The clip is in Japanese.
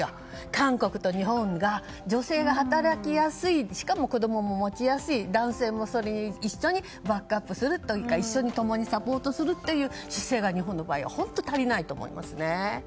韓国と日本が女性が働きやすくしかも子供も持ちやすい男性もそれに一緒にバックアップするというか共にサポートするという姿勢が日本の場合は本当に足りないと思いますね。